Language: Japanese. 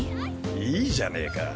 いいじゃねか。